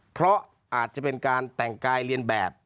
เพราะอาจจะเป็นการแต่งกายเรียนแบบ